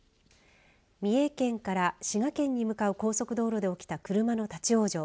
三重県から滋賀県に向かう高速道路で起きた車の立往生。